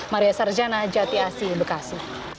maria sarjana jati asi bekasi